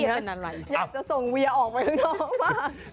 พี่เถียนกันอะไรอยากจะส่งเวียออกไปออกมาก